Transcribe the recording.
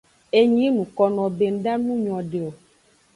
Enyi yi nuko be nda nu nyode o.